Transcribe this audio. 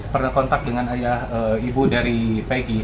pernah kontak dengan ayah ibu dari pegi